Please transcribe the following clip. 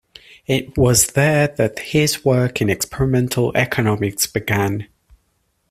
It was there that his work in experimental economics began.